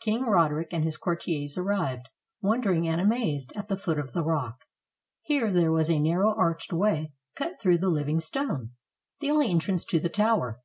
King Roderick and his courtiers arrived, wondering and amazed, at the foot of the rock. Here there was a narrow arched way cut through the living stone, the only entrance to the tower.